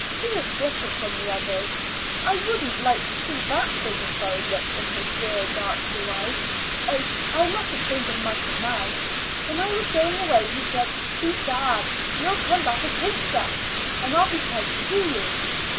"He is different from the others. I wouldn't like to see that sort of sorry look in his dear dark blue eyes. Oh, I mustn't think of Michael now. When I was going away he said, 'Bedad, you'll come back a princess, and I'll be proud to see you.'